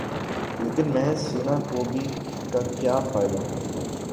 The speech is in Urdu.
لیکن محض سینہ کوبی کا کیا فائدہ؟